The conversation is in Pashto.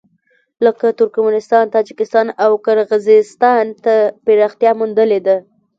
لکه ترکمنستان، تاجکستان او قرغېزستان ته پراختیا موندلې ده.